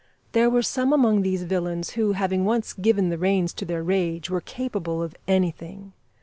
There were some among these villains who, having once given the reins to their rage, were capable of anything.